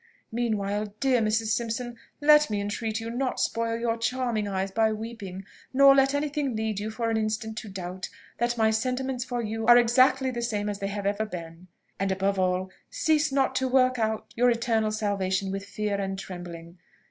Meanwhile, dear Mrs. Simpson, let me entreat you not spoil your charming eyes by weeping, nor let any thing lead you for an instant to doubt that my sentiments for you are exactly the same as they have ever been; and above all, cease not to work out your eternal salvation with fear and trembling.